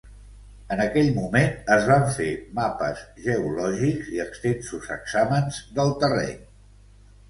En aquell moment es van fer mapes geològics i extensos exàmens del terreny.